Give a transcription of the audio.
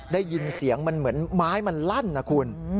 ได้ยินเสียงมันเหมือนไม้มันลั่นนะคุณ